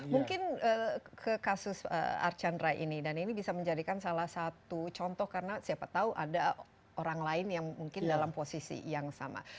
mungkin ke kasus archandra ini dan ini bisa menjadikan salah satu contoh karena siapa tahu ada orang lain yang mungkin dalam posisi yang sama